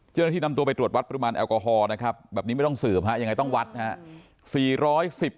เจ้าหน้าที่นำตัวไปตรวจวัดปริมาณแอลกอฮอล์นะครับแบบนี้ไม่ต้องสืบฮะยังไงต้องวัดนะครับ